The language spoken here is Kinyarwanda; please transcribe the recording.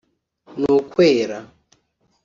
n’ukwera